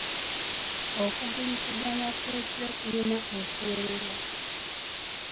Okuguliziganya kw'ekiro kulina okuwerebwa.